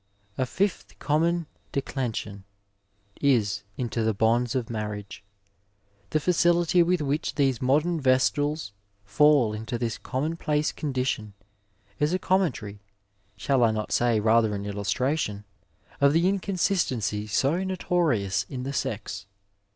'' A fifth common declension is into the bonds of marriage. The facility with which these modem Vestals fall into this commonplace condition is a conmientary, shall I not say rather an illustration, of the inconsistency so notorious in the sex.